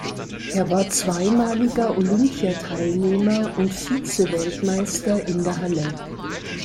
Er war zweimaliger Olympiateilnehmer und Vizeweltmeister in der Halle.